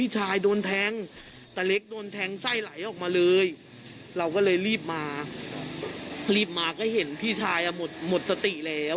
ฉันต้องการพฤติ